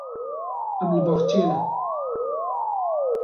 Em li bexçeyê ne.